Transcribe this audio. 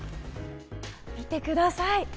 見てください。